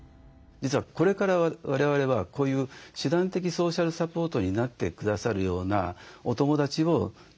実はこれから我々はこういう手段的ソーシャルサポートになってくださるようなお友だちを作っていけばいいと思うんですね。